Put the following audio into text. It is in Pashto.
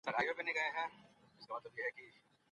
که په دروازو کي د ښار نقشه وي، نو مسافر نه سرګردانه کیږي.